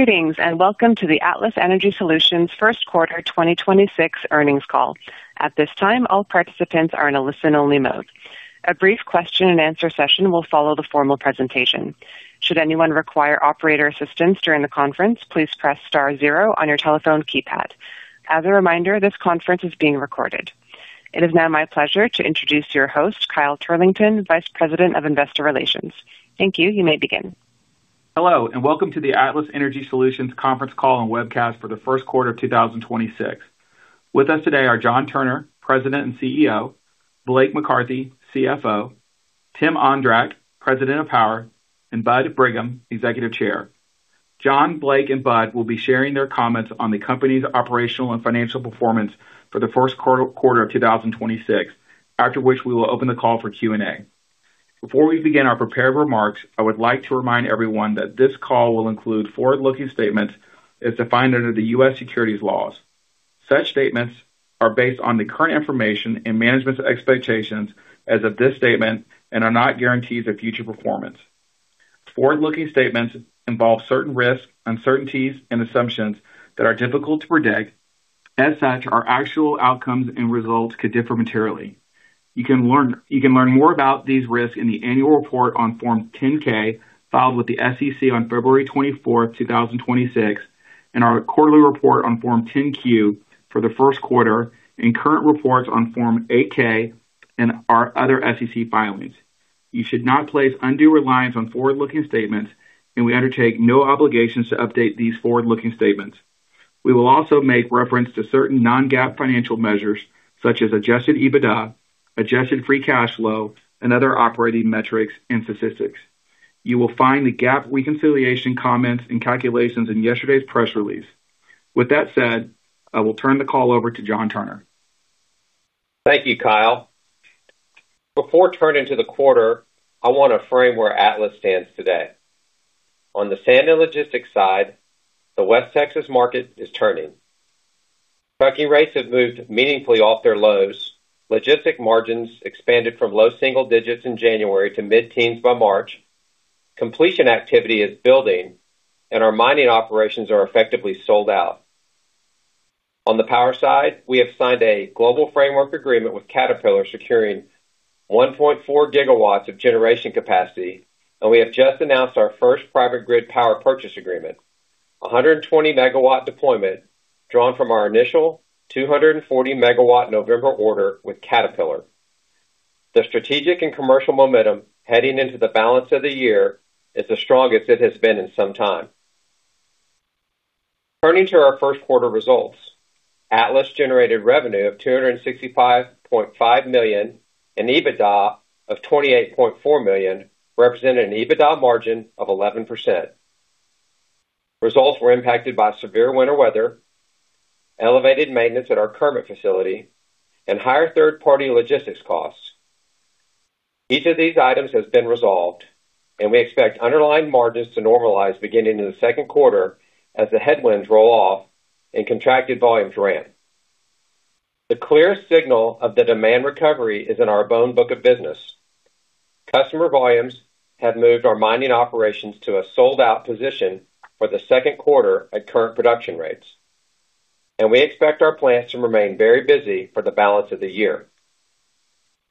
Greetings, and welcome to the Atlas Energy Solutions first quarter 2026 earnings call. It is now my pleasure to introduce your host, Kyle Turlington, Vice President of Investor Relations. Thank you. You may begin. Hello, welcome to the Atlas Energy Solutions conference call and webcast for the first quarter of 2026. With us today are John Turner, President and CEO, Blake McCarthy, CFO, Tim Ondrak, President of Power, and Bud Brigham, Executive Chair. John, Blake, and Bud will be sharing their comments on the company's operational and financial performance for the first quarter of 2026. After which, we will open the call for Q&A. Before we begin our prepared remarks, I would like to remind everyone that this call will include forward-looking statements as defined under the U.S. securities laws. Such statements are based on the current information and management's expectations as of this statement and are not guarantees of future performance. Forward-looking statements involve certain risks, uncertainties, and assumptions that are difficult to predict. As such, our actual outcomes and results could differ materially. You can learn more about these risks in the annual report on Form 10-K filed with the SEC on February 24, 2026, and our quarterly report on Form 10-Q for the first quarter, and current reports on Form 8-K and our other SEC filings. You should not place undue reliance on forward-looking statements. We undertake no obligations to update these forward-looking statements. We will also make reference to certain non-GAAP financial measures such as Adjusted EBITDA, adjusted free cash flow, and other operating metrics and statistics. You will find the GAAP reconciliation comments and calculations in yesterday's press release. With that said, I will turn the call over to John Turner. Thank you, Kyle. Before turning to the quarter, I wanna frame where Atlas stands today. On the sand and logistics side, the West Texas market is turning. Trucking rates have moved meaningfully off their lows. Logistic margins expanded from low single digits in January to mid-teens by March. Completion activity is building, and our mining operations are effectively sold out. On the power side, we have signed a global framework agreement with Caterpillar, securing 1.4 GW of generation capacity, and we have just announced our first private grid power purchase agreement, a 120 MW deployment drawn from our initial 240 MW November order with Caterpillar. The strategic and commercial momentum heading into the balance of the year is the strongest it has been in some time. Turning to our first quarter results. Atlas generated revenue of $265.5 million and EBITDA of $28.4 million, representing an EBITDA margin of 11%. Results were impacted by severe winter weather, elevated maintenance at our Kermit facility, and higher third-party logistics costs. Each of these items has been resolved, and we expect underlying margins to normalize beginning in the second quarter as the headwinds roll off and contracted volumes ramp. The clear signal of the demand recovery is in our own book of business. Customer volumes have moved our mining operations to a sold-out position for the second quarter at current production rates. We expect our plants to remain very busy for the balance of the year.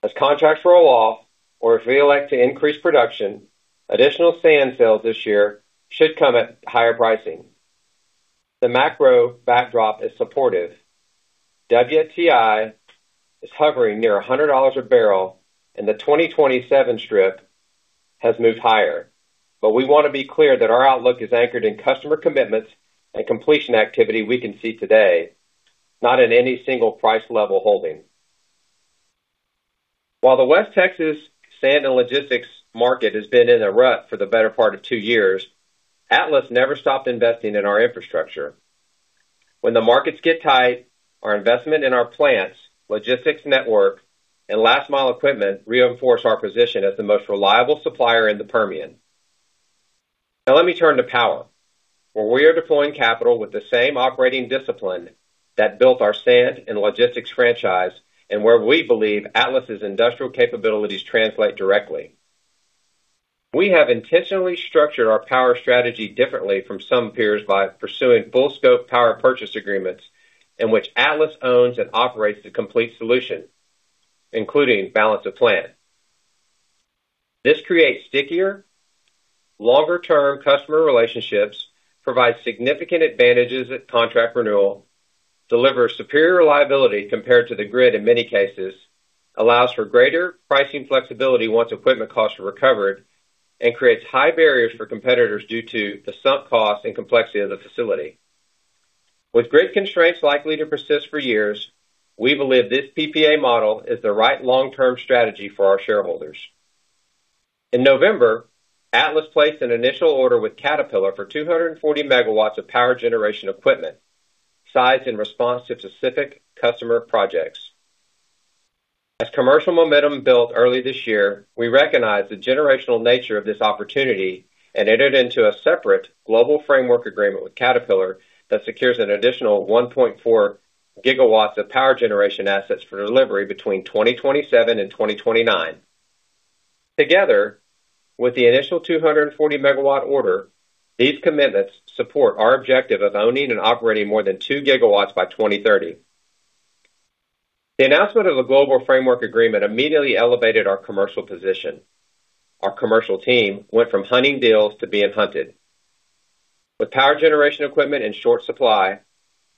As contracts roll off or if we elect to increase production, additional sand sales this year should come at higher pricing. The macro backdrop is supportive. WTI is hovering near $100 a barrel. The 2027 strip has moved higher. We want to be clear that our outlook is anchored in customer commitments and completion activity we can see today, not at any single price level holding. While the West Texas sand and logistics market has been in a rut for the better part of two years, Atlas never stopped investing in our infrastructure. When the markets get tight, our investment in our plants, logistics network, and last-mile equipment reinforce our position as the most reliable supplier in the Permian. Now let me turn to power, where we are deploying capital with the same operating discipline that built our sand and logistics franchise and where we believe Atlas' industrial capabilities translate directly. We have intentionally structured our power strategy differently from some peers by pursuing full scope power purchase agreements in which Atlas owns and operates the complete solution, including balance of plant. This creates stickier, longer-term customer relationships, provides significant advantages at contract renewal, delivers superior reliability compared to the grid in many cases, allows for greater pricing flexibility once equipment costs are recovered, and creates high barriers for competitors due to the sunk costs and complexity of the facility. With grid constraints likely to persist for years, we believe this PPA model is the right long-term strategy for our shareholders. In November, Atlas placed an initial order with Caterpillar for 240 MW of power generation equipment, sized in response to specific customer projects. As commercial momentum built early this year, we recognized the generational nature of this opportunity and entered into a separate global framework agreement with Caterpillar that secures an additional 1.4 GW of power generation assets for delivery between 2027 and 2029. Together with the initial 240 MW order, these commitments support our objective of owning and operating more than 2 GW by 2030. The announcement of a global framework agreement immediately elevated our commercial position. Our commercial team went from hunting deals to being hunted. With power generation equipment in short supply,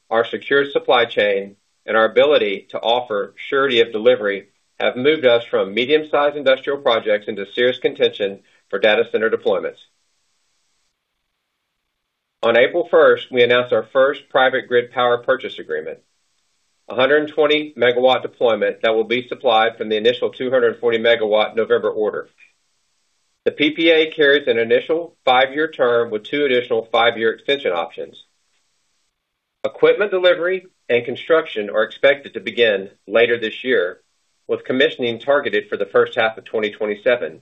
our secure supply chain and our ability to offer surety of delivery have moved us from medium-sized industrial projects into serious contention for data center deployments. On April 1, we announced our first private grid power purchase agreement, a 120 MW deployment that will be supplied from the initial 240 MW November order. The PPA carries an initial five year term with two additional five year extension options. Equipment delivery and construction are expected to begin later this year, with commissioning targeted for the first half of 2027.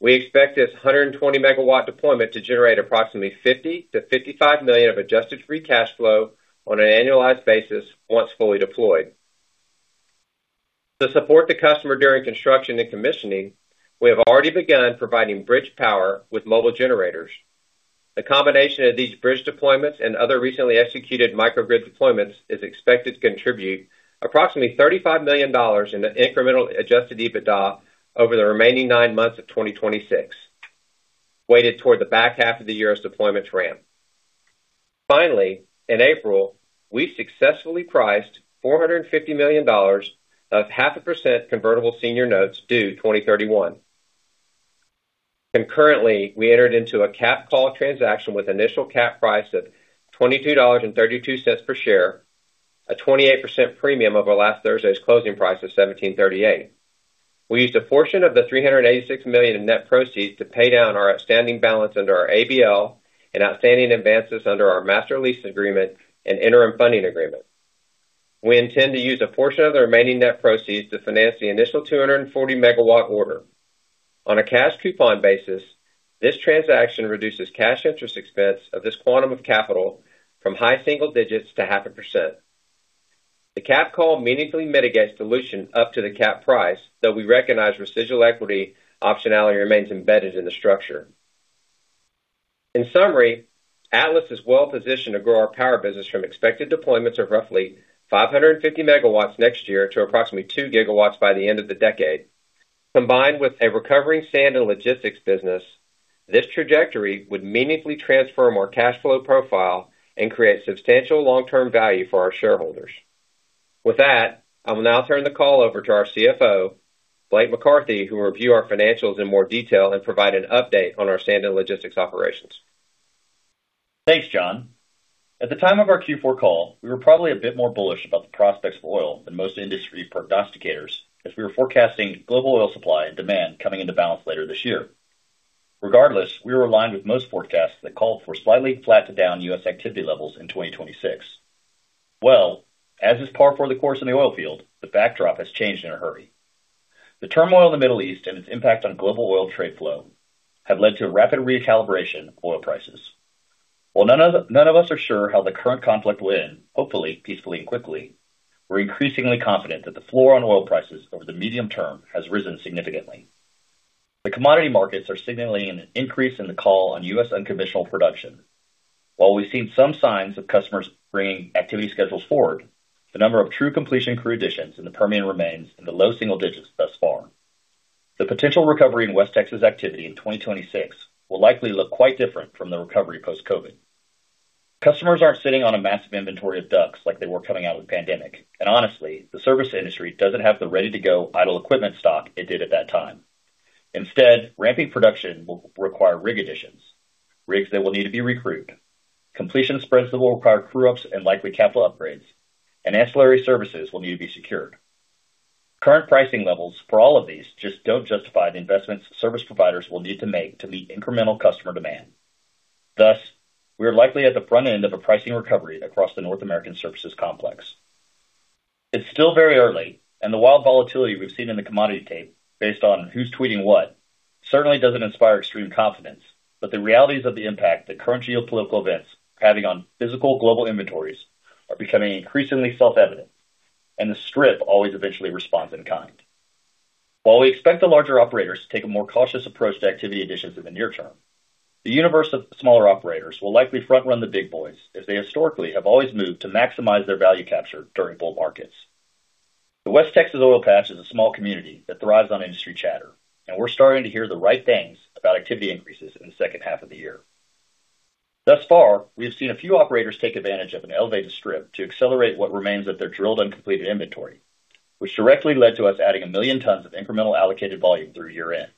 We expect this 120 MW deployment to generate approximately $50 million-$55 million of adjusted free cash flow on an annualized basis once fully deployed. To support the customer during construction and commissioning, we have already begun providing bridge power with mobile generators. The combination of these bridge deployments and other recently executed microgrid deployments is expected to contribute approximately $35 million in the incremental Adjusted EBITDA over the remaining nine months of 2026, weighted toward the back half of the year as deployments ramp. Finally, in April, we successfully priced $450 million of 0.5% convertible senior notes due 2031. Concurrently, we entered into a capped call transaction with initial cap price of $22.32 per share, a 28% premium over last Thursday's closing price of $17.38. We used a portion of the $386 million in net proceeds to pay down our outstanding balance under our ABL and outstanding advances under our master lease agreement and interim funding agreement. We intend to use a portion of the remaining net proceeds to finance the initial 240 MW order. On a cash coupon basis, this transaction reduces cash interest expense of this quantum of capital from high single digits to 0.5%. The capped call meaningfully mitigates dilution up to the cap price, though we recognize residual equity optionality remains embedded in the structure. In summary, Atlas is well-positioned to grow our power business from expected deployments of roughly 550 MW next year to approximately 2 GW by the end of the decade. Combined with a recovering sand and logistics business, this trajectory would meaningfully transform our cash flow profile and create substantial long-term value for our shareholders. With that, I will now turn the call over to our CFO, Blake McCarthy, who will review our financials in more detail and provide an update on our sand and logistics operations. Thanks, John. At the time of our Q4 call, we were probably a bit more bullish about the prospects for oil than most industry prognosticators as we were forecasting global oil supply and demand coming into balance later this year. Regardless, we were aligned with most forecasts that called for slightly flat to down U.S. activity levels in 2026. As is par for the course in the oilfield, the backdrop has changed in a hurry. The turmoil in the Middle East and its impact on global oil trade flow have led to a rapid recalibration of oil prices. While none of us are sure how the current conflict will end, hopefully peacefully and quickly, we're increasingly confident that the floor on oil prices over the medium term has risen significantly. The commodity markets are signaling an increase in the call on U.S. unconditional production. While we've seen some signs of customers bringing activity schedules forward, the number of true completion crew additions in the Permian remains in the low single digits thus far. The potential recovery in West Texas activity in 2026 will likely look quite different from the recovery post-COVID. Customers aren't sitting on a massive inventory of DUCs like they were coming out of the pandemic. Honestly, the service industry doesn't have the ready-to-go idle equipment stock it did at that time. Instead, ramping production will require rig additions. Rigs that will need to be recruit. Completion spreads that will require crew ups and likely capital upgrades and ancillary services will need to be secured. Current pricing levels for all of these just don't justify the investments service providers will need to make to meet incremental customer demand. We are likely at the front end of a pricing recovery across the North American services complex. It's still very early. The wild volatility we've seen in the commodity tape based on who's tweeting what certainly doesn't inspire extreme confidence. The realities of the impact the current geopolitical events are having on physical global inventories are becoming increasingly self-evident. The strip always eventually responds in kind. While we expect the larger operators to take a more cautious approach to activity additions in the near term, the universe of smaller operators will likely front run the big boys, as they historically have always moved to maximize their value capture during bull markets. The West Texas oil patch is a small community that thrives on industry chatter. We're starting to hear the right things about activity increases in the second half of the year. Thus far, we have seen a few operators take advantage of an elevated strip to accelerate what remains of their drilled and completed inventory, which directly led to us adding 1 million tons of incremental allocated volume through year-end.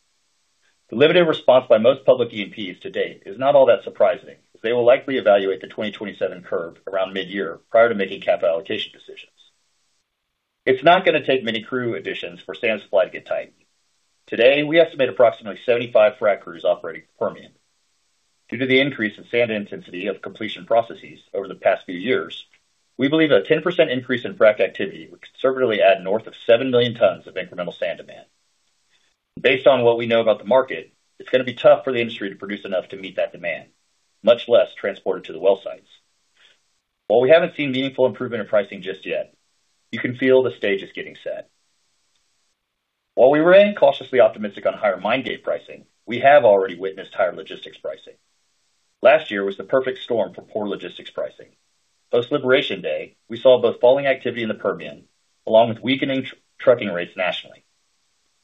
The limited response by most public E&Ps to date is not all that surprising, as they will likely evaluate the 2027 curve around mid-year prior to making capital allocation decisions. It's not gonna take many crew additions for sand supply to get tight. Today, we estimate approximately 75 frac crews operating in the Permian. Due to the increase in sand intensity of completion processes over the past few years, we believe a 10% increase in frac activity would conservatively add north of 7 million tons of incremental sand demand. Based on what we know about the market, it's gonna be tough for the industry to produce enough to meet that demand, much less transport it to the well sites. While we haven't seen meaningful improvement in pricing just yet, you can feel the stage is getting set. While we remain cautiously optimistic on higher mine gate pricing, we have already witnessed higher logistics pricing. Last year was the perfect storm for poor logistics pricing. Post Liberation Day, we saw both falling activity in the Permian along with weakening trucking rates nationally.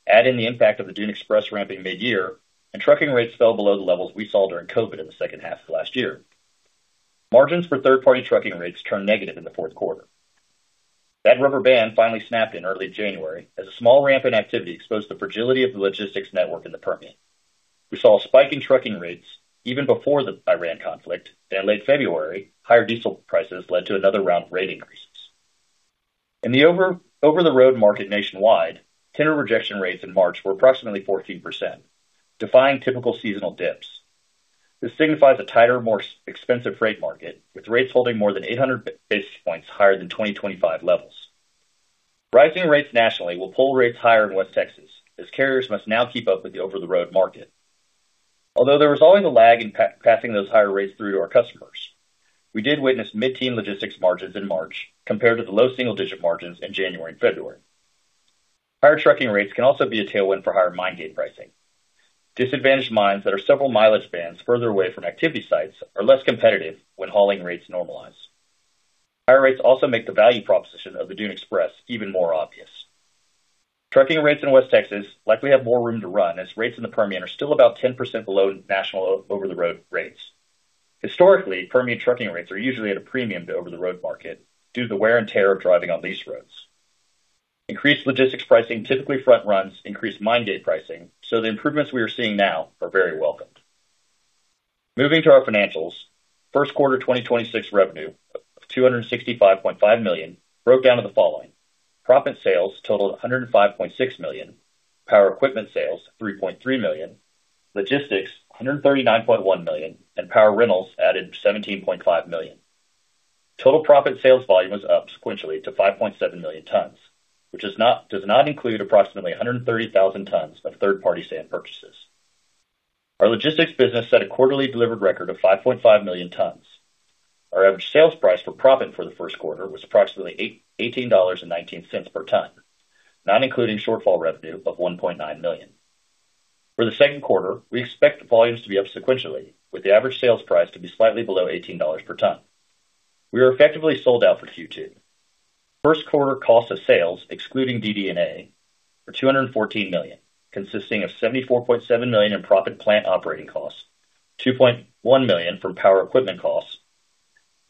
Add in the impact of the Dune Express ramping mid-year, and trucking rates fell below the levels we saw during COVID in the second half of last year. Margins for third-party trucking rates turned negative in the fourth quarter. That rubber band finally snapped in early January as a small ramp in activity exposed the fragility of the logistics network in the Permian. We saw a spike in trucking rates even before the Iran conflict. Late February, higher diesel prices led to another round of rate increases. In the over-the-road market nationwide, tender rejection rates in March were approximately 14%, defying typical seasonal dips. This signifies a tighter, more expensive freight market, with rates holding more than 800 basis points higher than 2025 levels. Rising rates nationally will pull rates higher in West Texas, as carriers must now keep up with the over-the-road market. Although there was always a lag in passing those higher rates through to our customers, we did witness mid-teen logistics margins in March compared to the low single-digit margins in January and February. Higher trucking rates can also be a tailwind for higher mine gate pricing. Disadvantaged mines that are several mileage bands further away from activity sites are less competitive when hauling rates normalize. Higher rates also make the value proposition of the Dune Express even more obvious. Trucking rates in West Texas likely have more room to run, as rates in the Permian are still about 10% below national over-the-road rates. Historically, Permian trucking rates are usually at a premium to over-the-road market due to the wear and tear of driving on leased roads. Increased logistics pricing typically front runs increased mine gate pricing, so the improvements we are seeing now are very welcomed. Moving to our financials, first quarter 2026 revenue of $265.5 million broke down to the following: proppant sales totaled $105.6 million, power equipment sales $3.3 million, logistics $139.1 million, and power rentals added $17.5 million. Total proppant sales volume was up sequentially to 5.7 million tons, which does not include approximately 130,000 tons of third-party sand purchases. Our logistics business set a quarterly delivered record of 5.5 million tons. Our average sales price for proppant for the first quarter was approximately $18.19 per ton, not including shortfall revenue of $1.9 million. For the second quarter, we expect volumes to be up sequentially, with the average sales price to be slightly below $18 per ton. We are effectively sold out for Q2. First quarter cost of sales, excluding DD&A, were $214 million, consisting of $74.7 million in proppant plant operating costs, $2.1 million for power equipment costs,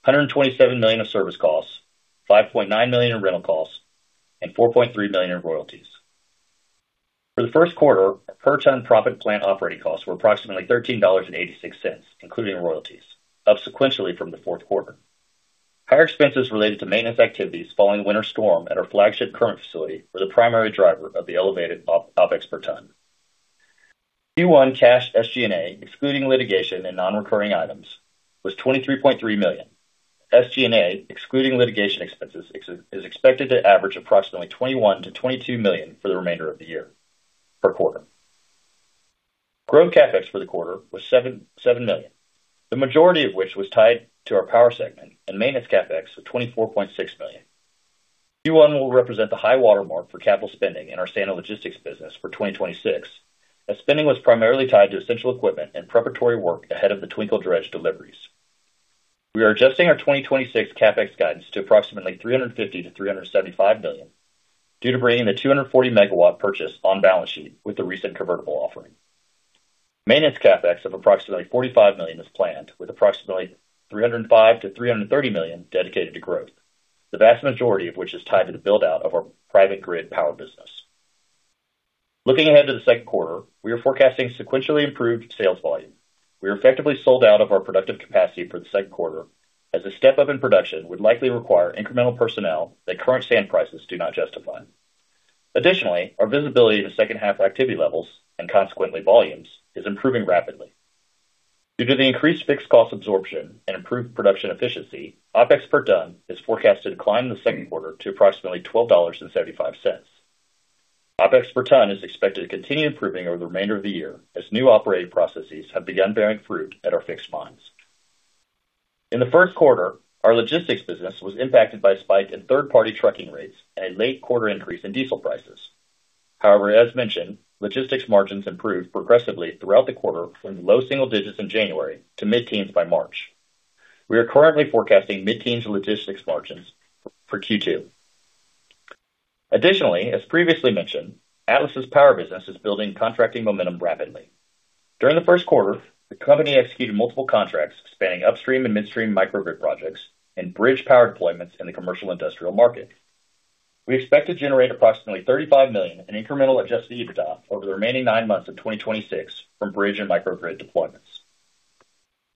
$127 million of service costs, $5.9 million in rental costs, and $4.3 million in royalties. For the first quarter, per ton proppant plant operating costs were approximately $13.86, including royalties, up sequentially from the fourth quarter. Higher expenses related to maintenance activities following winter storm at our flagship current facility were the primary driver of the elevated OpEx per ton. Q1 cash SG&A, excluding litigation and non-recurring items, was $23.3 million. SG&A, excluding litigation expenses, is expected to average approximately $21 million-$22 million for the remainder of the year, per quarter. Growth CapEx for the quarter was $7 million, the majority of which was tied to our power segment and maintenance CapEx of $24.6 million. Q1 will represent the high watermark for capital spending in our sand and logistics business for 2026, as spending was primarily tied to essential equipment and preparatory work ahead of the Twinkle dredge deliveries. We are adjusting our 2026 CapEx guidance to approximately $350 million-$375 million due to bringing the 240 MW purchase on balance sheet with the recent convertible offering. Maintenance CapEx of approximately $45 million is planned, with approximately $305 million-$330 million dedicated to growth, the vast majority of which is tied to the build-out of our private grid power business. Looking ahead to the second quarter, we are forecasting sequentially improved sales volume. We are effectively sold out of our productive capacity for the second quarter, as a step-up in production would likely require incremental personnel that current sand prices do not justify. Additionally, our visibility to second half activity levels and consequently volumes is improving rapidly. Due to the increased fixed cost absorption and improved production efficiency, OpEx per ton is forecasted to decline in the second quarter to approximately $12.75. OpEx per ton is expected to continue improving over the remainder of the year as new operating processes have begun bearing fruit at our fixed mines. In the first quarter, our logistics business was impacted by a spike in third-party trucking rates and a late quarter increase in diesel prices. However, as mentioned, logistics margins improved progressively throughout the quarter from low single digits in January to mid-teens by March. We are currently forecasting mid-teens logistics margins for Q2. Additionally, as previously mentioned, Atlas's power business is building contracting momentum rapidly. During the first quarter, the company executed multiple contracts spanning upstream and midstream microgrid projects and bridge power deployments in the commercial industrial market. We expect to generate approximately $35 million in incremental Adjusted EBITDA over the remaining nine months of 2026 from bridge and microgrid deployments.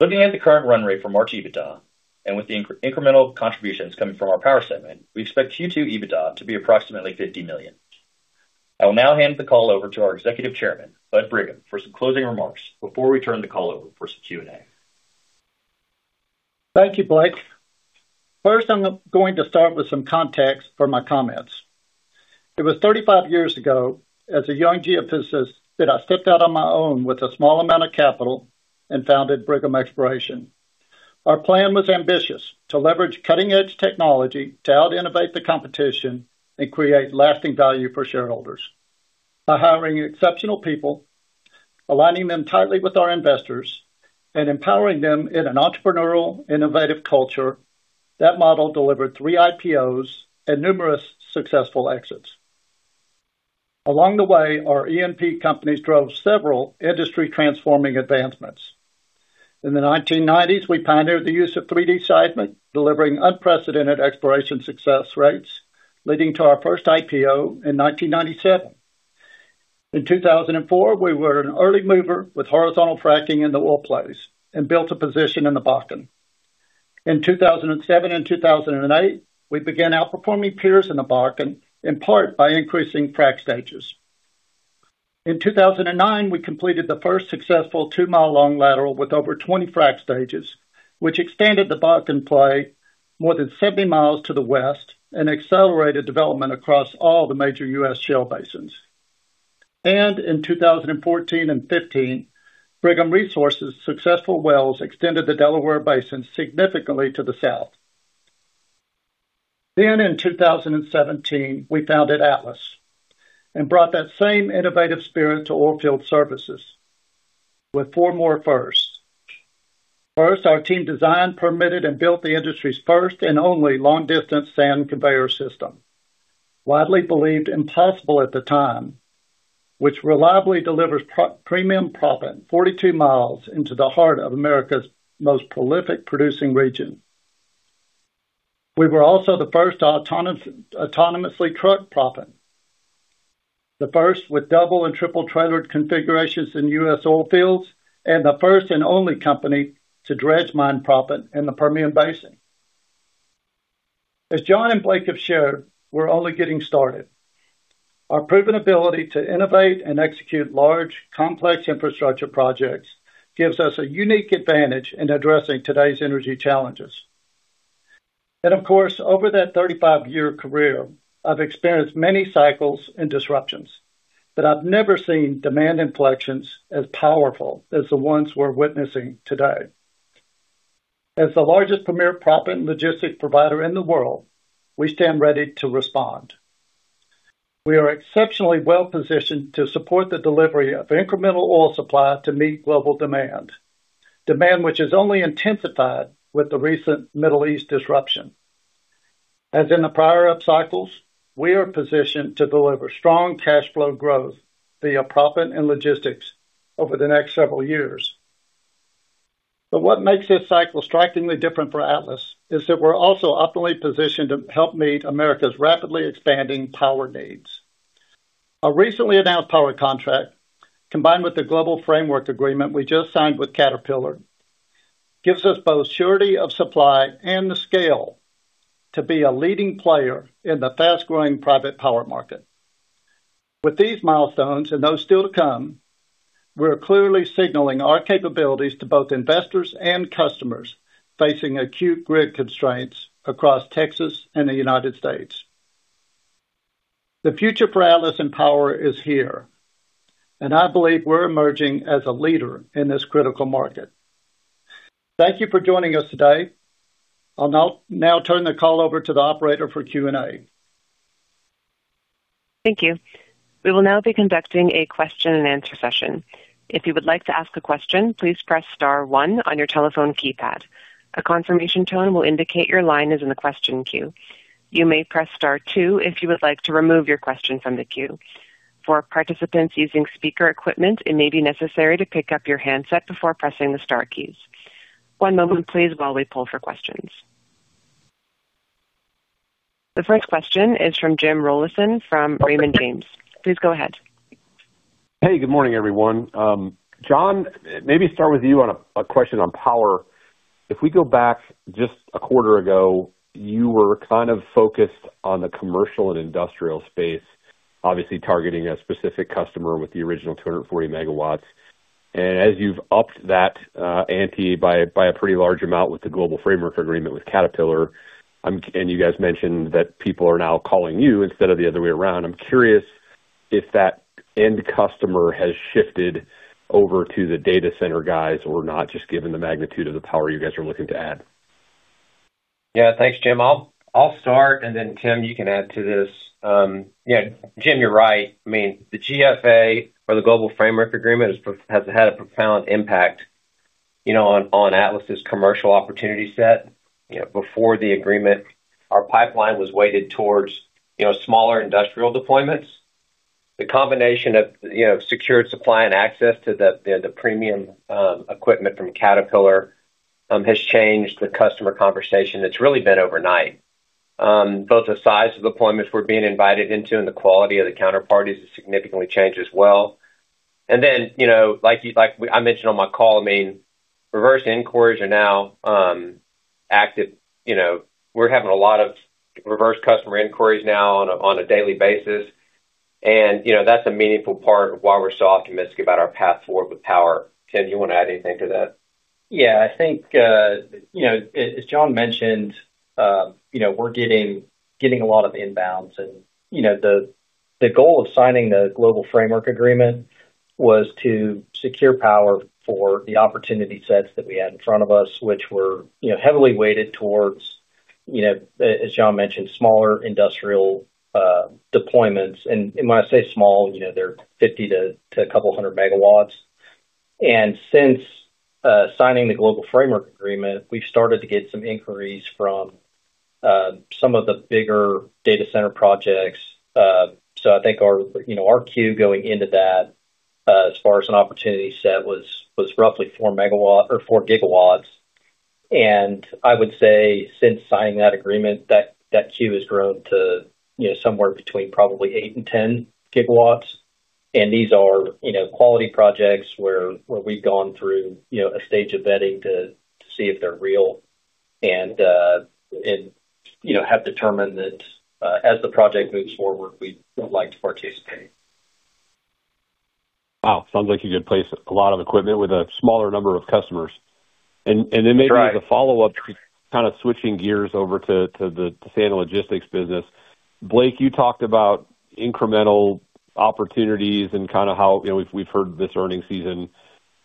Looking at the current run rate for March EBITDA and with the incremental contributions coming from our power segment, we expect Q2 EBITDA to be approximately $50 million. I will now hand the call over to our Executive Chairman, Bud Brigham, for some closing remarks before we turn the call over for some Q&A. Thank you, Blake. First, I'm going to start with some context for my comments. It was 35 years ago, as a young geophysicist, that I stepped out on my own with a small amount of capital and founded Brigham Exploration. Our plan was ambitious: to leverage cutting-edge technology to out-innovate the competition and create lasting value for shareholders. By hiring exceptional people, aligning them tightly with our investors, and empowering them in an entrepreneurial, innovative culture, that model delivered three IPOs and numerous successful exits. Along the way, our E&P companies drove several industry transforming advancements. In the 1990s, we pioneered the use of 3D seismic, delivering unprecedented exploration success rates, leading to our first IPO in 1997. In 2004, we were an early mover with horizontal fracking in the oil plays and built a position in the Bakken. In 2007 and 2008, we began outperforming peers in the Bakken, in part by increasing frac stages. In 2009, we completed the first successful 2-mile long lateral with over 20 frac stages, which extended the Bakken play more than 70 miles to the west and accelerated development across all the major U.S. shale basins. In 2014 and 2015, Brigham Resources successful wells extended the Delaware Basin significantly to the south. In 2017, we founded Atlas and brought that same innovative spirit to oil field services with four more firsts. First, our team designed, permitted, and built the industry's first and only long-distance sand conveyor system, widely believed impossible at the time, which reliably delivers premium proppant 42 miles into the heart of America's most prolific producing region. We were also the first autonomously truck proppant, the first with double and triple trailered configurations in U.S. oil fields, and the first and only company to dredge mine proppant in the Permian Basin. As John and Blake have shared, we're only getting started. Our proven ability to innovate and execute large, complex infrastructure projects gives us a unique advantage in addressing today's energy challenges. Of course, over that 35-year career, I've experienced many cycles and disruptions, but I've never seen demand inflections as powerful as the ones we're witnessing today. As the largest premier proppant logistics provider in the world, we stand ready to respond. We are exceptionally well-positioned to support the delivery of incremental oil supply to meet global demand which has only intensified with the recent Middle East disruption. As in the prior upcycles, we are positioned to deliver strong cash flow growth via proppant and logistics over the next several years. What makes this cycle strikingly different for Atlas is that we're also optimally positioned to help meet America's rapidly expanding power needs. Our recently announced power contract, combined with the global framework agreement we just signed with Caterpillar, gives us both surety of supply and the scale to be a leading player in the fast-growing private power market. With these milestones, and those still to come, we are clearly signaling our capabilities to both investors and customers facing acute grid constraints across Texas and the United States. The future for Atlas and power is here, and I believe we're emerging as a leader in this critical market. Thank you for joining us today. I'll now turn the call over to the operator for Q&A. Thank you. We will now be conducting a question and answer session. If you would like to ask a question, please press star one on your telephone keypad. A confirmation tone will indicate your line is in the question queue. You may press star two if you would like to remove your question from the queue. For participants using speaker equipment, it may be necessary to pick up your handset before pressing the star keys. One moment please while we pull for questions. The first question is from James Rollyson from Raymond James. Please go ahead. Hey, good morning, everyone. John, maybe start with you on a question on power. If we go back just a quarter ago, you were kind of focused on the commercial and industrial space, obviously targeting a specific customer with the original 240 MW. As you've upped that ante by a pretty large amount with the global framework agreement with Caterpillar, and you guys mentioned that people are now calling you instead of the other way around. I'm curious if that end customer has shifted over to the data center guys or not, just given the magnitude of the power you guys are looking to add. Yeah. Thanks, James. I'll start, then Tim, you can add to this. Yeah, James, you're right. I mean, the GFA or the global framework agreement has had a profound impact, you know, on Atlas' commercial opportunity set. You know, before the agreement, our pipeline was weighted towards, you know, smaller industrial deployments. The combination of, you know, secured supply and access to the premium equipment from Caterpillar has changed the customer conversation. It's really been overnight. Both the size of the deployments we're being invited into and the quality of the counterparties has significantly changed as well. Then, you know, like I mentioned on my call, I mean, reverse inquiries are now active. You know, we're having a lot of reverse customer inquiries now on a daily basis. You know, that's a meaningful part of why we're so optimistic about our path forward with power. Tim, do you wanna add anything to that? Yeah. I think, you know, as John mentioned, you know, we're getting a lot of inbounds. You know, the goal of signing the global framework agreement was to secure power for the opportunity sets that we had in front of us, which were, you know, heavily weighted towards, you know, as John mentioned, smaller industrial deployments. When I say small, you know, they're 50 to a couple hundred MW. Since signing the global framework agreement, we've started to get some inquiries from some of the bigger data center projects. I think our, you know, our queue going into that, as far as an opportunity set was roughly 4 MW or 4 GW. I would say since signing that agreement, that queue has grown to, you know, somewhere between probably 8 GW and 10 GW. These are, you know, quality projects where we've gone through, you know, a stage of vetting to see if they're real and, you know, have determined that as the project moves forward, we would like to participate. Wow. Sounds like you could place a lot of equipment with a smaller number of customers. Right As a follow-up, kind of switching gears over to the sand logistics business. Blake, you talked about incremental opportunities and kind of how, you know, we've heard this earnings season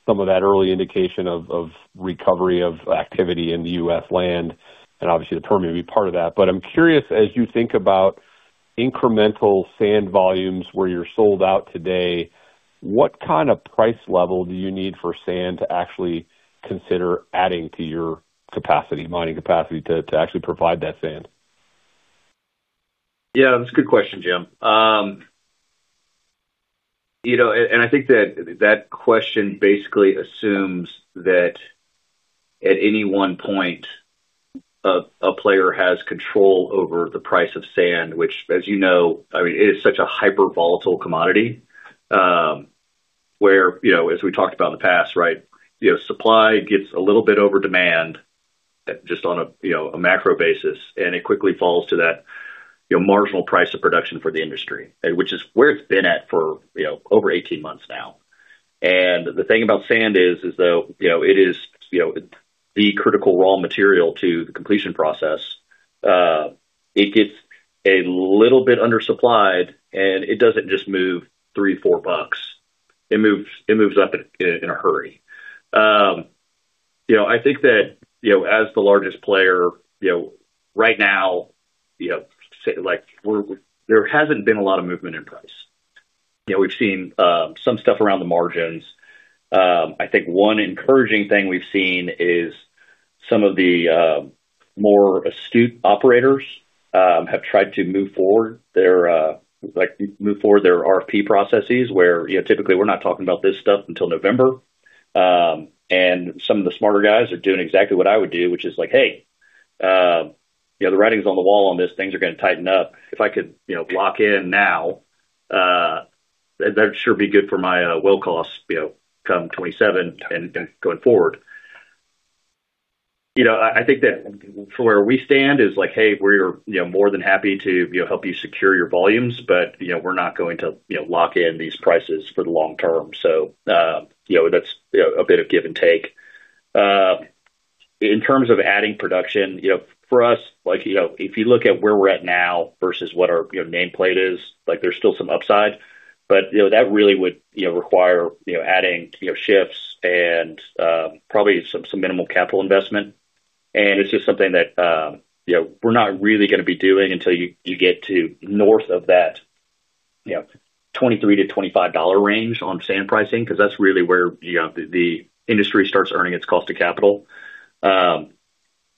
some of that early indication of recovery of activity in the U.S. land, and obviously the Permian will be part of that. I'm curious, as you think about incremental sand volumes where you're sold out today, what kind of price level do you need for sand to actually consider adding to your capacity, mining capacity to actually provide that sand? Yeah, that's a good question, Jim. I think that that question basically assumes that at any one point a player has control over the price of sand, which as you know, I mean, it is such a hyper volatile commodity, where, you know, as we talked about in the past, right? Supply gets a little bit over demand just on a, you know, a macro basis, and it quickly falls to that, you know, marginal price of production for the industry. Which is where it's been at for, you know, over 18 months now. The thing about sand is though, you know, it is, you know, the critical raw material to the completion process. It gets a little bit undersupplied, and it doesn't just move $3, $4. It moves up in a hurry. you know, I think that, you know, as the largest player, you know, right now, you know, say, like there hasn't been a lot of movement in price. You know, we've seen some stuff around the margins. I think one encouraging thing we've seen is some of the more astute operators have tried to move forward their like move forward their RFP processes, where, you know, typically, we're not talking about this stuff until November. Some of the smarter guys are doing exactly what I would do, which is like, "Hey. you know, the writing's on the wall on this. Things are gonna tighten up. If I could, you know, lock in now, that'd sure be good for my, well costs, you know, come 2027 and going forward. You know, I think that from where we stand is like, hey, we're, you know, more than happy to, you know, help you secure your volumes, but, you know, we're not going to, you know, lock in these prices for the long term. You know, that's, you know, a bit of give and take. In terms of adding production, you know, for us, like, you know, if you look at where we're at now versus what our, you know, nameplate is, like there's still some upside. You know, that really would, you know, require, you know, adding, you know, shifts and, probably some minimal capital investment. It's just something that, you know, we're not really gonna be doing until you get to north of that, you know, $23-$25 range on sand pricing, 'cause that's really where, you know, the industry starts earning its cost to capital.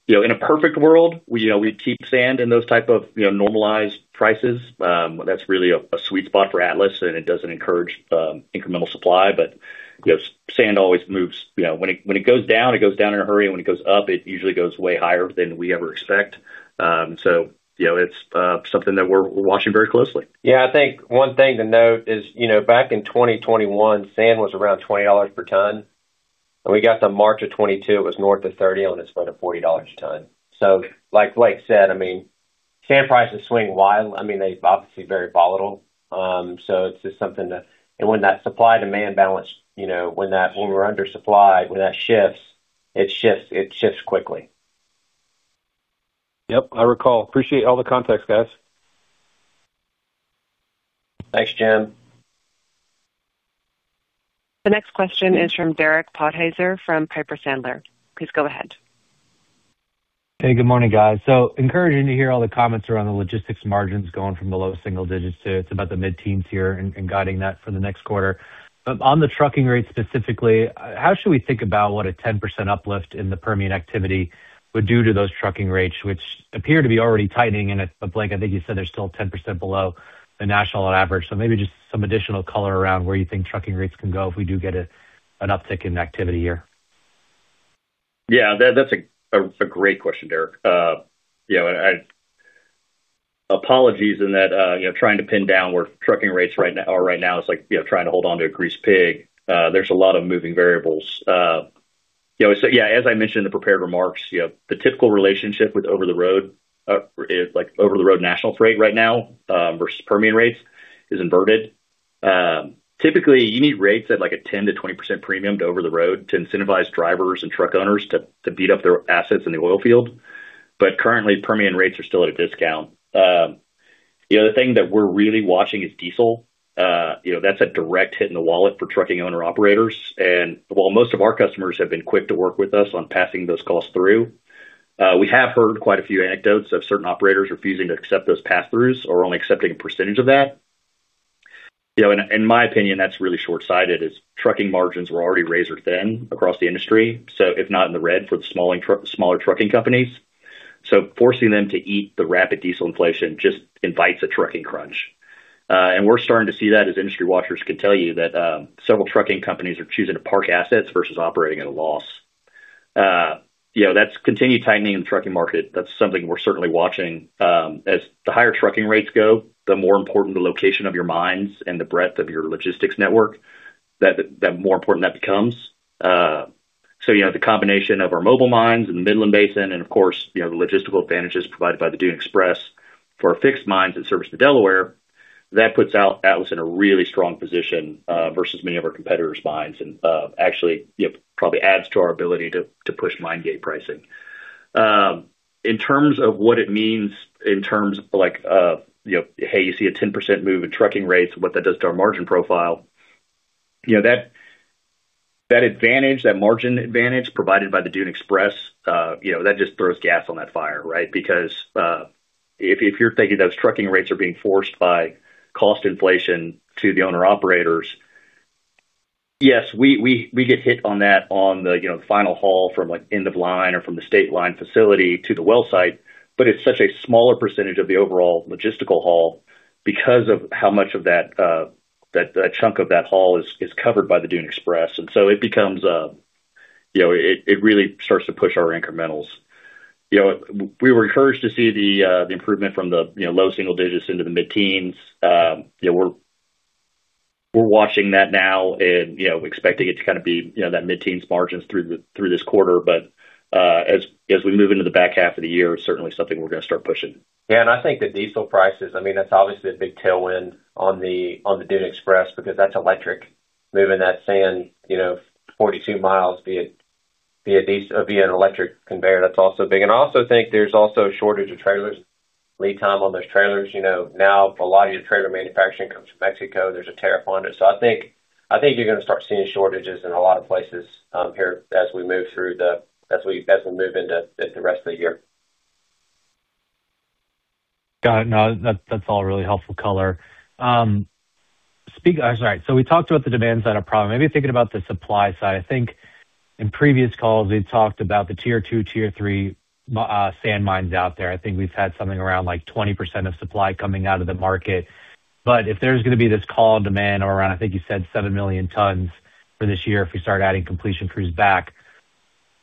You know, in a perfect world, we keep sand in those type of, you know, normalized prices. That's really a sweet spot for Atlas, it doesn't encourage incremental supply. You know, sand always moves. You know, when it goes down, it goes down in a hurry. When it goes up, it usually goes way higher than we ever expect. You know, it's something that we're watching very closely. I think one thing to note is, you know, back in 2021, sand was around $20 per ton. When we got to March of 2022, it was north of 30, and it's been at $40 a ton. Like Blake said, I mean, sand prices swing wild. I mean, they obviously very volatile. When that supply-demand balance, you know, when we're undersupplied, when that shifts, it shifts quickly. Yep. I recall. Appreciate all the context, guys. Thanks, Jim. The next question is from Derek Podhaizer from Piper Sandler. Please go ahead. Hey, good morning, guys. Encouraging to hear all the comments around the logistics margins going from the low single digits to it's about the mid-teens here and guiding that for the next quarter. On the trucking rates specifically, how should we think about what a 10% uplift in the Permian activity would do to those trucking rates, which appear to be already tightening? Blake, I think you said they're still 10% below the national average. Maybe just some additional color around where you think trucking rates can go if we do get an uptick in activity here. Yeah. That's a great question, Derek. I Apologies in that, you know, trying to pin down where trucking rates are right now is like, you know, trying to hold onto a greased pig. There's a lot of moving variables. You know, as I mentioned in the prepared remarks, you know, the typical relationship with over the road is like over the road national freight right now versus Permian rates is inverted. Typically you need rates at like a 10%-20% premium to over the road to incentivize drivers and truck owners to beat up their assets in the oil field. Currently, Permian rates are still at a discount. The other thing that we're really watching is diesel. You know, that's a direct hit in the wallet for trucking owner-operators. While most of our customers have been quick to work with us on passing those costs through, we have heard quite a few anecdotes of certain operators refusing to accept those passthroughs or only accepting a percentage of that. You know, in my opinion, that's really short-sighted, as trucking margins were already razor thin across the industry, if not in the red for the smaller trucking companies. Forcing them to eat the rapid diesel inflation just invites a trucking crunch. We're starting to see that, as industry watchers can tell you that, several trucking companies are choosing to park assets versus operating at a loss. You know, that's continued tightening in the trucking market. That's something we're certainly watching. As the higher trucking rates go, the more important the location of your mines and the breadth of your logistics network becomes. So, you know, the combination of our mobile mines in the Midland Basin and of course, you know, the logistical advantages provided by the Dune Express for our fixed mines that service the Delaware puts us in a really strong position versus many of our competitors' mines. Actually, you know, probably adds to our ability to push mine gate pricing. In terms of what it means in terms of like, you know, hey, you see a 10% move in trucking rates and what that does to our margin profile, you know, that advantage, that margin advantage provided by the Dune Express, you know, that just throws gas on that fire, right? If you're thinking those trucking rates are being forced by cost inflation to the owner-operators, yes, we get hit on that on the, you know, the final haul from like end of line or from the state line facility to the well site. It's such a smaller percentage of the overall logistical haul because of how much of that chunk of that haul is covered by the Dune Express. It becomes, you know, it really starts to push our incrementals. You know, we were encouraged to see the improvement from the, you know, low single digits into the mid-teens. You know, we're watching that now and, you know, expecting it to kind of be, you know, that mid-teens margins through this quarter. As we move into the back half of the year, it's certainly something we're gonna start pushing. Yeah. I think the diesel prices, I mean, that's obviously a big tailwind on the Dune Express because that's electric moving that sand, you know, 42 mi via an electric conveyor. That's also big. I also think there's also a shortage of trailers, lead time on those trailers. You know, now a lot of your trailer manufacturing comes from Mexico. There's a tariff on it. I think you're gonna start seeing shortages in a lot of places here as we move into the rest of the year. Got it. That's all really helpful color. Sorry. We talked about the demand side of proppant. Maybe thinking about the supply side. I think in previous calls, we talked about the tier 2, tier 3 sand mines out there. I think we've had something around like 20% of supply coming out of the market. If there's gonna be this call on demand around, I think you said 7 million tons for this year if we start adding completion crews back,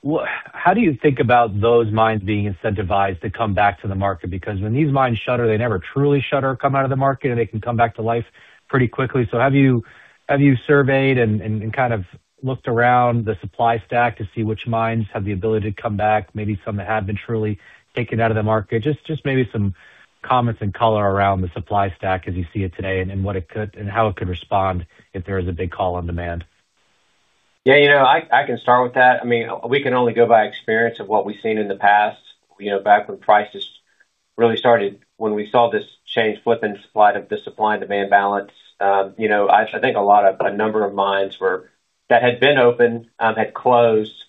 how do you think about those mines being incentivized to come back to the market? When these mines shutter, they never truly shutter or come out of the market, and they can come back to life pretty quickly. Have you surveyed and kind of looked around the supply stack to see which mines have the ability to come back, maybe some that have been truly taken out of the market? Just maybe some comments and color around the supply stack as you see it today and what it could And how it could respond if there is a big call on demand. Yeah. You know, I can start with that. I mean, we can only go by experience of what we've seen in the past. You know, back when prices really started, when we saw this change flip in supply, the supply and demand balance, you know, I think a number of mines that had been open had closed,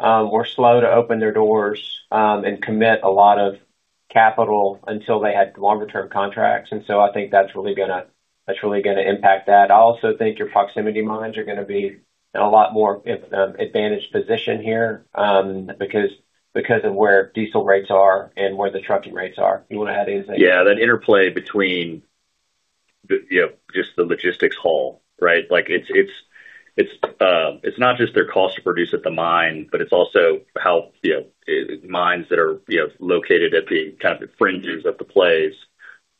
were slow to open their doors and commit a lot of capital until they had longer term contracts. I think that's really gonna impact that. I also think your proximity mines are gonna be in a lot more advantaged position here because of where diesel rates are and where the trucking rates are. You wanna add anything? Yeah. That interplay between the, you know, just the logistics haul, right? Like it's, it's not just their cost to produce at the mine, but it's also how, you know, mines that are, you know, located at the kind of the fringes of the plays.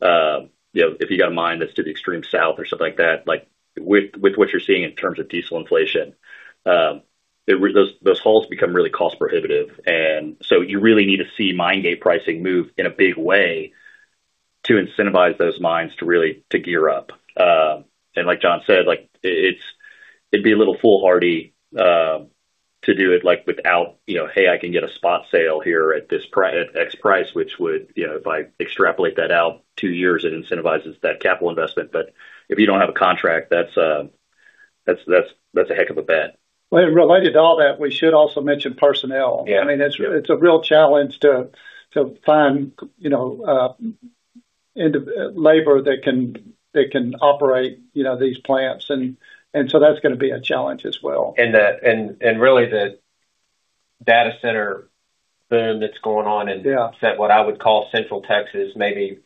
You know, if you got a mine that's to the extreme south or something like that, like with what you're seeing in terms of diesel inflation, those hauls become really cost prohibitive. You really need to see mine gate pricing move in a big way to incentivize those mines to gear up. Like John said, like it'd be a little foolhardy to do it like without, you know, hey, I can get a spot sale here at this X price, which would, you know, if I extrapolate that out two years, it incentivizes that capital investment. But if you don't have a contract, that's a heck of a bet. Well, related to all that, we should also mention personnel. Yeah. I mean, it's a real challenge to find, you know, labor that can operate, you know, these plants. So that's gonna be a challenge as well. Really the data center boom that's going on. Yeah what I would call Central Texas, maybe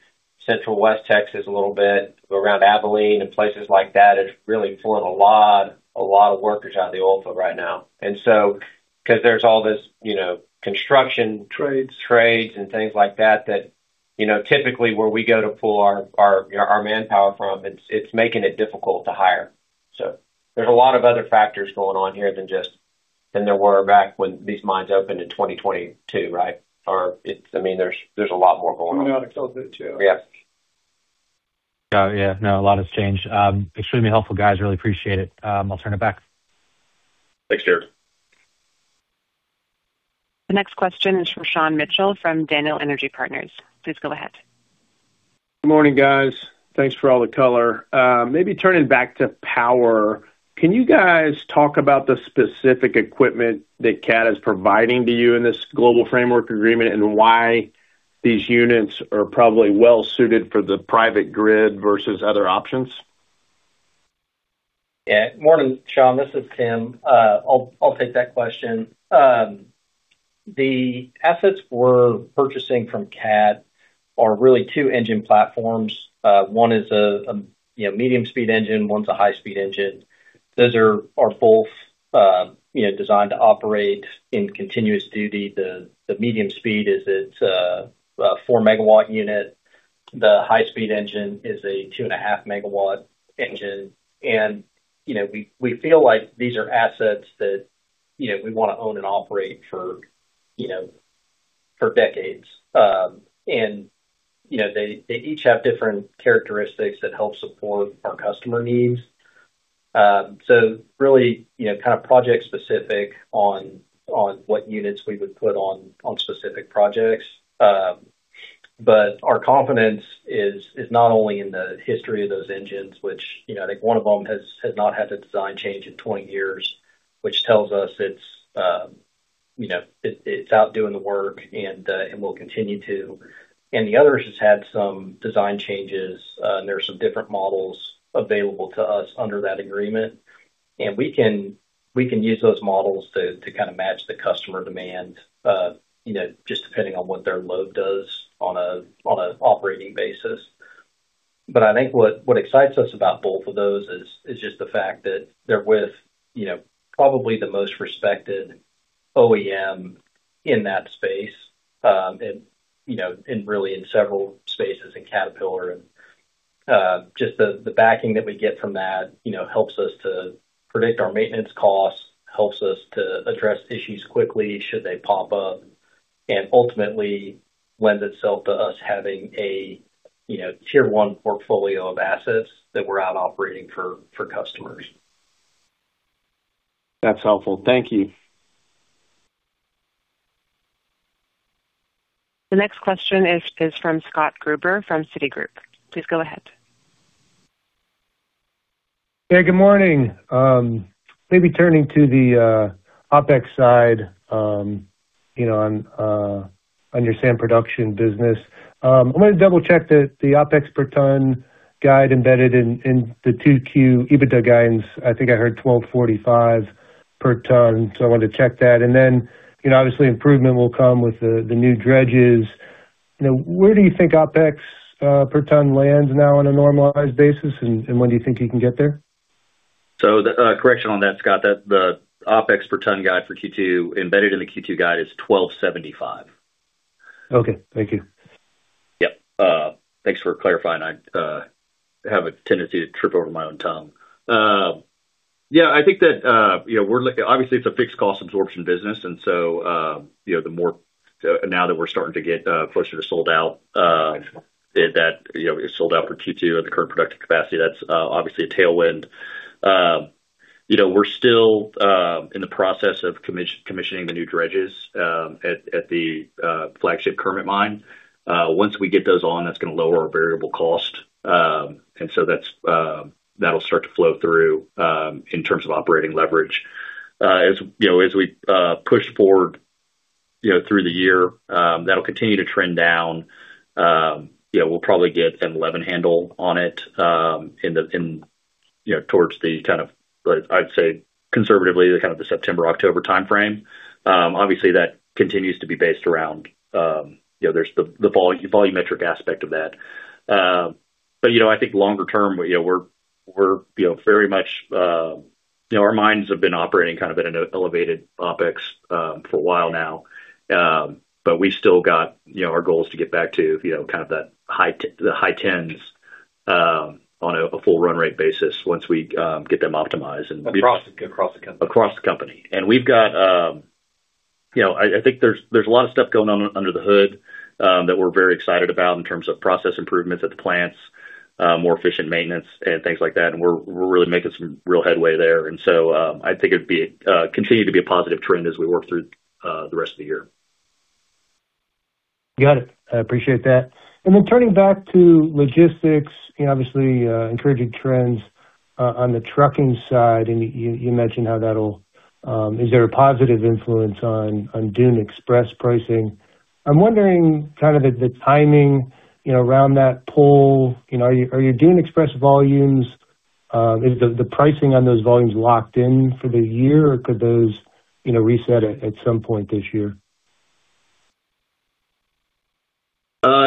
Central West Texas a little bit, around Abilene and places like that, is really pulling a lot, a lot of workers out of the oil field right now. Because there's all this, you know, construction. Trades trades and things like that. You know, typically where we go to pull our, you know, our manpower from, it's making it difficult to hire. There's a lot of other factors going on here than there were back when these mines opened in 2022, right? I mean, there's a lot more going on. Demographic shift too. Yeah. Yeah. No, a lot has changed. Extremely helpful, guys. Really appreciate it. I'll turn it back. Thanks, Derek Podhaizer. The next question is from Sean Mitchell from Daniel Energy Partners. Please go ahead. Good morning, guys. Thanks for all the color. Maybe turning back to power, can you guys talk about the specific equipment that CAT is providing to you in this global framework agreement and why these units are probably well suited for the microgrid versus other options? Yeah. Morning, Sean, this is Tim. I'll take that question. The assets we're purchasing from CAT are really two engine platforms. One is a, you know, medium speed engine, one's a high speed engine. Those are both, you know, designed to operate in continuous duty. The medium speed is it's a 4 MW unit. The high speed engine is a 2.5 MW engine. You know, we feel like these are assets that, you know, we wanna own and operate for, you know, for decades. You know, they each have different characteristics that help support our customer needs. Really, you know, kind of project specific on what units we would put on specific projects. Our confidence is not only in the history of those engines, which, you know, I think one of them has not had a design change in 20 years, which tells us it's, you know, it's out doing the work and will continue to. The other has had some design changes, and there are some different models available to us under that agreement. We can, we can use those models to kind of match the customer demand, you know, just depending on what their load does on a operating basis. I think what excites us about both of those is just the fact that they're with, you know, probably the most respected OEM in that space. You know, and really in several spaces in Caterpillar. Just the backing that we get from that, you know, helps us to predict our maintenance costs, helps us to address issues quickly should they pop up, and ultimately lends itself to us having a, you know, tier 1 portfolio of assets that we're out operating for customers. That's helpful. Thank you. The next question is from Scott Gruber from Citigroup. Please go ahead. Yeah, good morning. Maybe turning to the OpEx side, you know, on your sand production business. I want to double-check the OpEx per ton guide embedded in the 2Q EBITDA guidance. I think I heard $12.45 per ton, so I wanted to check that. You know, obviously improvement will come with the new dredges. You know, where do you think OpEx per ton lands now on a normalized basis, and when do you think you can get there? The correction on that, Scott, that the OpEx per ton guide for Q2 embedded in the Q2 guide is $12.75. Okay. Thank you. Yep. Thanks for clarifying. I have a tendency to trip over my own tongue. Yeah, I think that, you know, obviously it's a fixed cost absorption business and so, you know, now that we're starting to get closer to sold out, that, you know, sold out for Q2 at the current productive capacity, that's obviously a tailwind. You know, we're still in the process of commissioning the new dredges at the flagship Kermit Mine. Once we get those on, that's gonna lower our variable cost. That'll start to flow through in terms of operating leverage. As, you know, as we push forward, you know, through the year, that'll continue to trend down. You know, we'll probably get an 11 handle on it, in the, in, you know, towards the kind of the, I'd say conservatively the kind of the September-October timeframe. Obviously that continues to be based around, you know, there's the volumetric aspect of that. You know, I think longer term, you know, we're, you know, very much. You know, our mines have been operating kind of at an elevated OpEx for a while now. We still got, you know, our goals to get back to, you know, kind of the high 10s, on a full run rate basis once we get them optimized. Across the company. Across the company. We've got, you know, I think there's a lot of stuff going on under the hood that we're very excited about in terms of process improvements at the plants, more efficient maintenance and things like that. We're really making some real headway there. I think it'd be continue to be a positive trend as we work through the rest of the year. Then turning back to logistics, you know, obviously, encouraging trends on the trucking side, and you mentioned. Is there a positive influence on Dune Express pricing? I'm wondering kind of the timing, you know, around that pull. You know, are your Dune Express volumes, is the pricing on those volumes locked in for the year? Or could those, you know, reset at some point this year?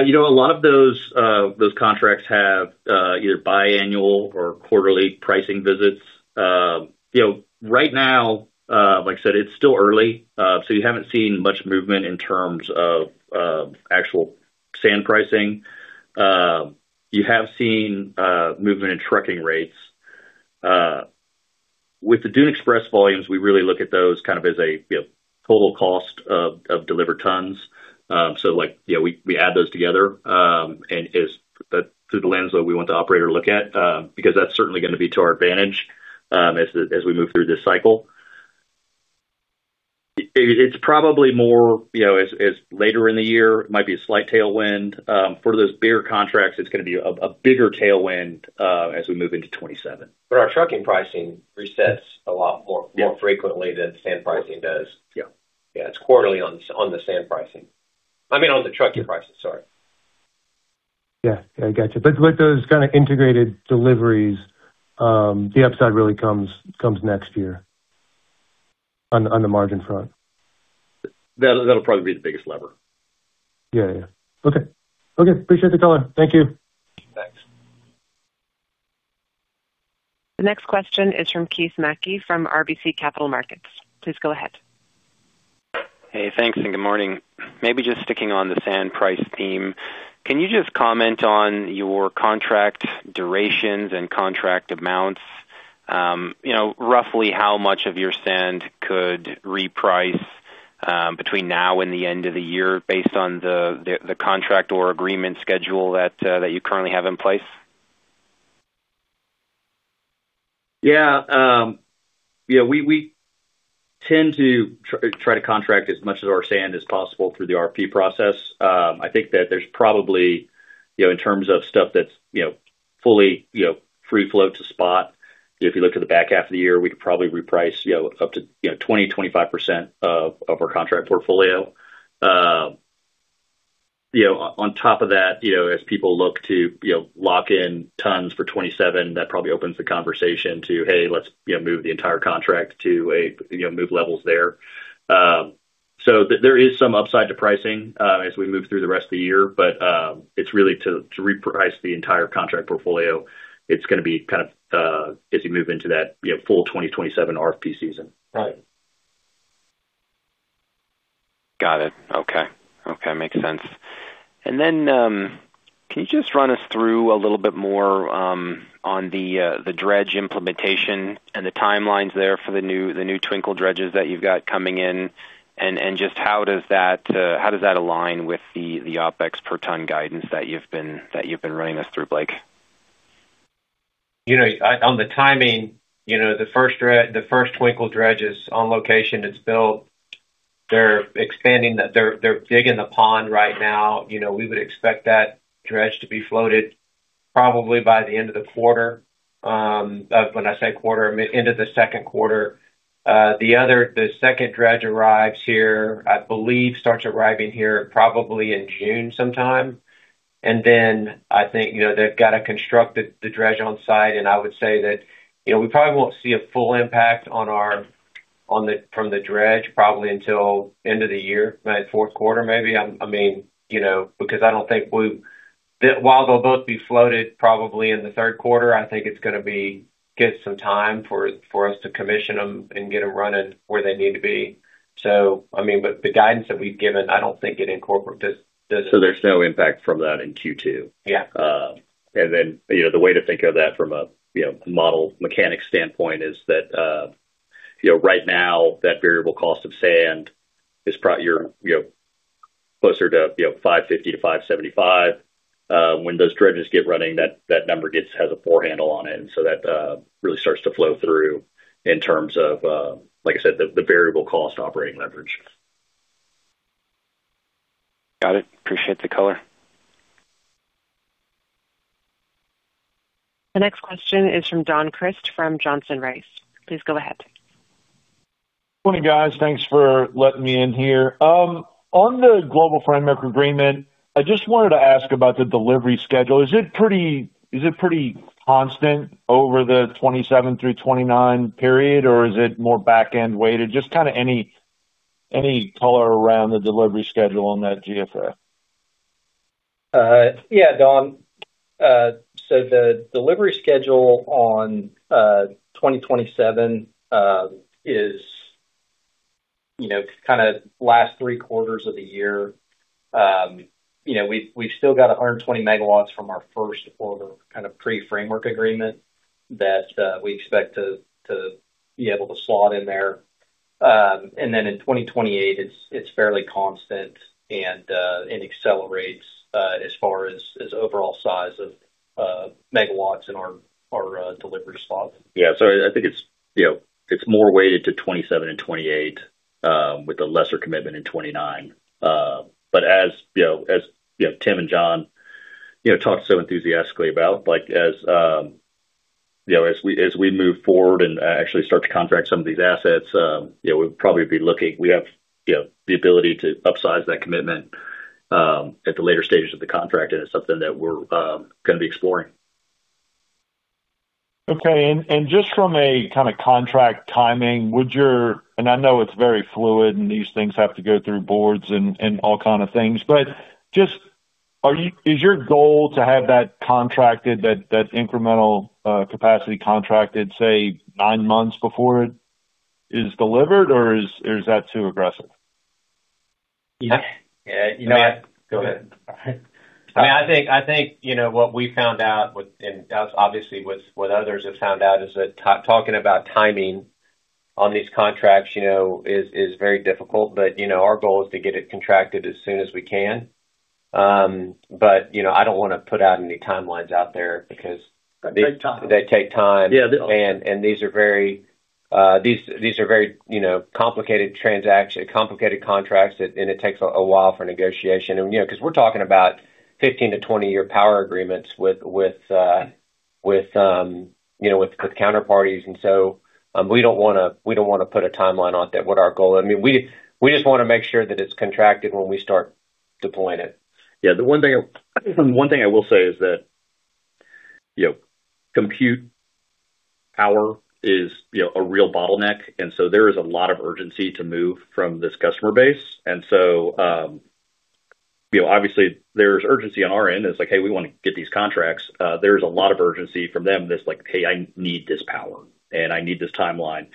You know, a lot of those contracts have either biannual or quarterly pricing visits. You know, right now, like I said, it's still early, you haven't seen much movement in terms of actual sand pricing. You have seen movement in trucking rates. With the Dune Express volumes, we really look at those kind of as a, you know, total cost of delivered tons. Like, you know, we add those together through the lens that we want the operator to look at, because that's certainly gonna be to our advantage as we move through this cycle. It's probably more, you know, as later in the year, might be a slight tailwind. For those bigger contracts, it's gonna be a bigger tailwind as we move into 2027. Our trucking pricing resets a lot more. Yeah more frequently than sand pricing does. Yeah. Yeah. It's quarterly on the sand pricing. I mean, on the trucking prices, sorry. Yeah. Yeah, gotcha. With those kind of integrated deliveries, the upside really comes next year on the margin front. That'll probably be the biggest lever. Yeah. Yeah. Okay. Okay. Appreciate the color. Thank you. Thanks. The next question is from Keith Mackey from RBC Capital Markets. Please go ahead. Hey, thanks, good morning. Maybe just sticking on the sand price theme. Can you just comment on your contract durations and contract amounts? You know, roughly how much of your sand could reprice between now and the end of the year based on the contract or agreement schedule that you currently have in place? Yeah. Yeah, we tend to try to contract as much of our sand as possible through the RFP process. I think that there's probably, you know, in terms of stuff that's, you know, fully, you know, free flow to spot, if you look to the back half of the year, we could probably reprice, you know, up to, you know, 20-25% of our contract portfolio. You know, on top of that, you know, as people look to, you know, lock in tons for 2027, that probably opens the conversation to, "Hey, let's, you know, move the entire contract to a, you know, move levels there." So there is some upside to pricing as we move through the rest of the year, but it's really to reprice the entire contract portfolio. It's gonna be kind of, as you move into that, you know, full 2027 RFP season. Right. Got it. Okay. Okay. Makes sense. Then, can you just run us through a little bit more on the dredge implementation and the timelines there for the new, the new Twinkle dredges that you've got coming in? Just how does that align with the OpEx per ton guidance that you've been running us through, Blake? You know, on the timing, you know, the first Twinkle dredge is on location. It's built. They're digging the pond right now. You know, we would expect that dredge to be floated probably by the end of the quarter. When I say quarter, end of the second quarter. The second dredge arrives here, I believe, starts arriving here probably in June sometime. Then I think, you know, they've got to construct the dredge on-site. I would say that, you know, we probably won't see a full impact from the dredge probably until end of the year, right? Fourth quarter, maybe. I mean, you know, because I don't think we've While they'll both be floated probably in the third quarter, I think it's gonna be give some time for us to commission them and get them running where they need to be. I mean, the guidance that we've given, I don't think it incorporate this. There's no impact from that in Q2. Yeah. You know, the way to think of that from a, you know, model mechanic standpoint is that, you know, right now that variable cost of sand is you're, you know, closer to, you know, $5.50-$5.75. When those dredges get running, that number has a poor handle on it. So that, really starts to flow through in terms of, like I said, the variable cost operating leverage. Got it. Appreciate the color. The next question is from Don Crist from Johnson Rice. Please go ahead. Morning, guys. Thanks for letting me in here. On the Global Framework Agreement, I just wanted to ask about the delivery schedule. Is it pretty constant over the 27-29 period, or is it more back-end weighted? Just kinda any color around the delivery schedule on that GFA. Don. The delivery schedule on 2027 is, you know, kinda last three quarters of the year. You know, we've still got 120 MW from our first sort of, kind of pre-framework agreement that we expect to be able to slot in there. In 2028, it's fairly constant and accelerates as far as overall size of MW in our delivery slot. I think it's, you know, it's more weighted to 27 and 28, with a lesser commitment in 29. As, you know, as, you know, Tim and John, you know, talked so enthusiastically about, like, as, you know, as we, as we move forward and actually start to contract some of these assets, you know, We have, you know, the ability to upsize that commitment at the later stages of the contract, and it's something that we're gonna be exploring. Okay. Just from a kinda contract timing, I know it's very fluid, and these things have to go through boards and all kind of things, but just is your goal to have that contracted, that incremental capacity contracted, say, nine months before it is delivered, or is that too aggressive? Yeah. Go ahead. I mean, I think, you know, what we found out with and that's obviously with what others have found out, is that talking about timing on these contracts, you know, is very difficult. You know, our goal is to get it contracted as soon as we can. You know, I don't wanna put out any timelines out there. They take time. They take time. Yeah, they do. These are very, you know, complicated contracts, and it takes a while for negotiation. You know, because we're talking about 15-20-year power agreements with counterparties. We don't wanna put a timeline on that with our goal. I mean, we just wanna make sure that it's contracted when we start deploying it. Yeah. The one thing I will say is that, you know, compute power is, you know, a real bottleneck. There is a lot of urgency to move from this customer base. You know, obviously there's urgency on our end. It's like, "Hey, we wanna get these contracts." There's a lot of urgency from them that's like, "Hey, I need this power, and I need this timeline."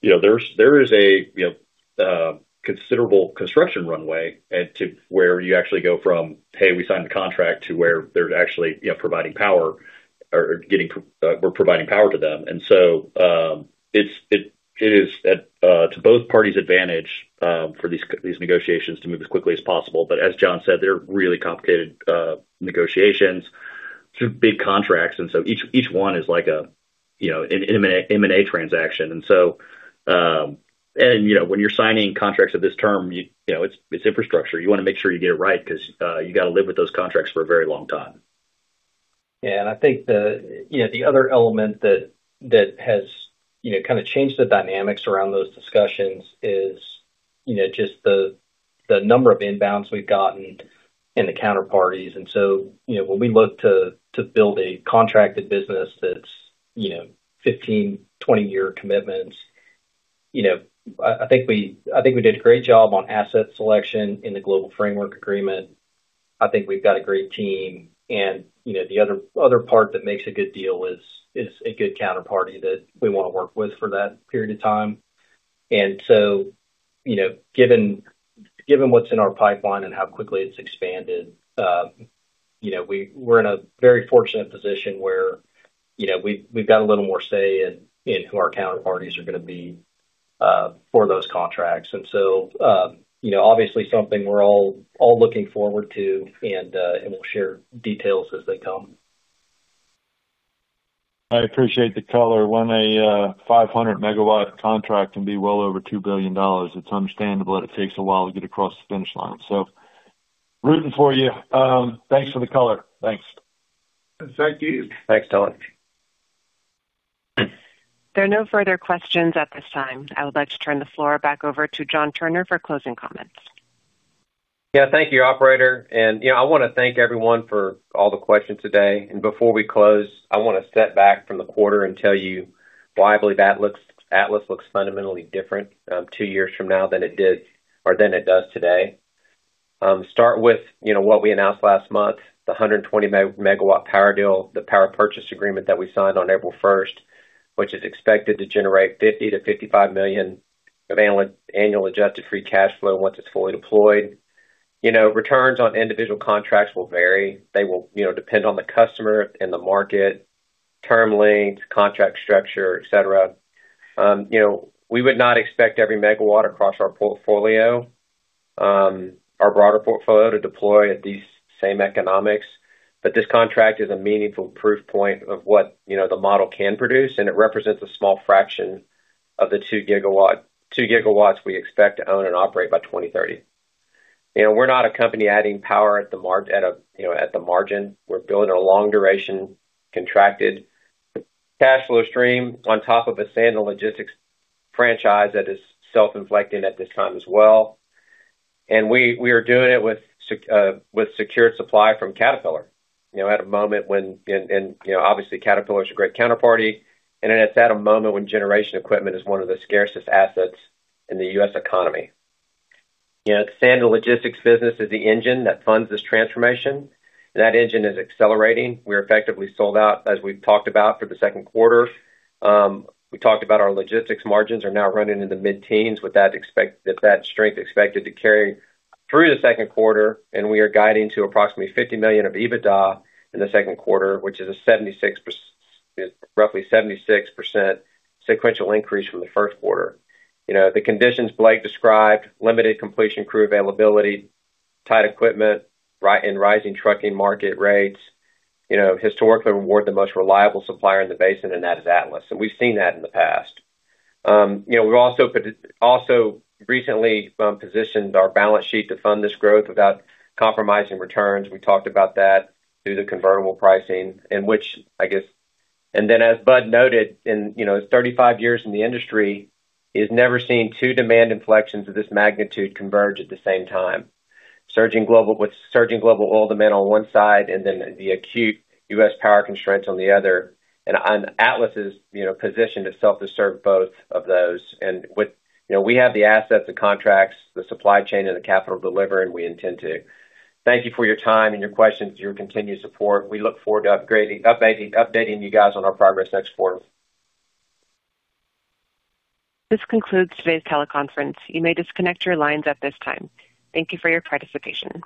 You know, there is a, you know, considerable construction runway to where you actually go from, "Hey, we signed the contract," to where there's actually, you know, providing power or, we're providing power to them. It is at to both parties' advantage for these negotiations to move as quickly as possible. As John said, they're really complicated negotiations through big contracts, so each one is like a, you know, an M&A transaction. You know, when you're signing contracts of this term, you know, it's infrastructure. You wanna make sure you get it right 'cause you gotta live with those contracts for a very long time. Yeah. I think the, you know, the other element that has, you know, kind of changed the dynamics around those discussions is, you know, just the number of inbounds we've gotten in the counterparties. You know, when we look to build a contracted business that's, you know, 15, 20-year commitments, you know, I think we, I think we did a great job on asset selection in the global framework agreement. I think we've got a great team. You know, the other part that makes a good deal is a good counterparty that we wanna work with for that period of time. you know, given what's in our pipeline and how quickly it's expanded, you know, we're in a very fortunate position where, you know, we've got a little more say in who our counterparties are gonna be for those contracts. you know, obviously something we're all looking forward to and we'll share details as they come. I appreciate the color. When a 500 MW contract can be well over $2 billion, it's understandable that it takes a while to get across the finish line. Rootin' for you. Thanks for the color. Thanks. Thank you. Thanks, Don Crist. There are no further questions at this time. I would like to turn the floor back over to John Turner for closing comments. Thank you, operator. You know, I wanna thank everyone for all the questions today. Before we close, I wanna step back from the quarter and tell you why I believe Atlas looks fundamentally different two years from now than it did or than it does today. Start with, you know, what we announced last month, the 120 MW power deal, the power purchase agreement that we signed on April first, which is expected to generate $50 million-$55 million of annual adjusted free cash flow once it's fully deployed. You know, returns on individual contracts will vary. They will, you know, depend on the customer and the market, term length, contract structure, etc. You know, we would not expect every MW across our portfolio, our broader portfolio to deploy at these same economics. This contract is a meaningful proof point of what, you know, the model can produce, and it represents a small fraction of the 2 GW, 2 GW we expect to own and operate by 2030. You know, we're not a company adding power at the margin. We're building a long-duration contracted cash flow stream on top of a sand and logistics franchise that is self-inflecting at this time as well. We are doing it with secured supply from Caterpillar, you know, at a moment when Caterpillar is a great counterparty, and it's at a moment when generation equipment is one of the scarcest assets in the U.S. economy. You know, sand and logistics business is the engine that funds this transformation. That engine is accelerating. We're effectively sold out, as we've talked about, for the second quarter. We talked about our logistics margins are now running in the mid-teens with that strength expected to carry through the second quarter, and we are guiding to approximately $50 million of EBITDA in the second quarter, which is a roughly 76% sequential increase from the first quarter. You know, the conditions Blake described, limited completion crew availability, tight equipment, and rising trucking market rates, you know, historically reward the most reliable supplier in the basin, and that is Atlas. And we've seen that in the past. You know, we've also recently positioned our balance sheet to fund this growth without compromising returns. We talked about that through the convertible pricing. As Bud noted in, you know, his 35 years in the industry, he's never seen two demand inflections of this magnitude converge at the same time, with surging global oil demand on one side and the acute U.S. power constraints on the other. Atlas is, you know, positioned itself to serve both of those. With, you know, we have the assets, the contracts, the supply chain, and the capital to deliver, and we intend to. Thank you for your time and your questions, your continued support. We look forward to updating you guys on our progress next quarter. This concludes today's teleconference. You may disconnect your lines at this time. Thank you for your participation.